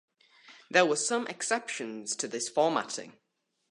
There were some exceptions to this formatting.